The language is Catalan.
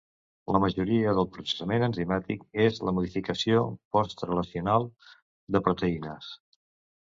La majoria del processament enzimàtic és la modificació postraslacional de proteïnes.